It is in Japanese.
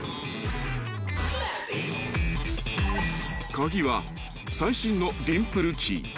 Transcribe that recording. ［鍵は最新のディンプルキー］